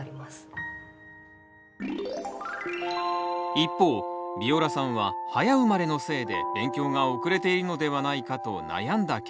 一方ビオラさんは早生まれのせいで勉強が遅れているのではないかと悩んだ経験がある。